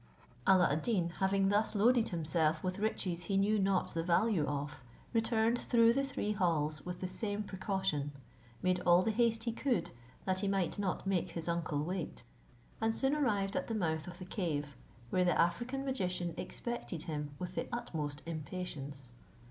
Alla ad Deen, having thus loaded himself with riches he knew not the value of, returned through the three halls with the same precaution, made all the haste he could, that he might not make his uncle wait, and soon arrived at the mouth of the cave, where the African magician expected him with the utmost impatience.